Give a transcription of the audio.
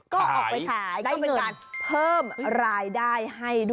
ก็ออกไปขายก็เป็นการเพิ่มรายได้ให้ด้วย